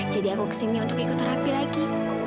jadi aku kesini untuk ikut terapi lagi